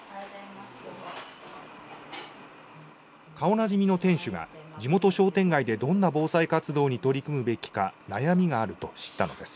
顔なじみの店主が地元商店街でどんな防災活動に取り組むべきか悩みがあると知ったのです。